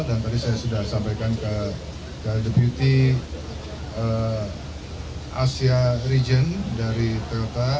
dan tadi saya sudah sampaikan ke the beauty asia region dari toyota